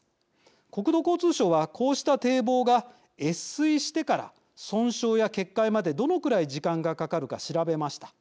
国土交通省は、こうした堤防が越水してから損傷や決壊までどのくらい時間がかかるか調べました。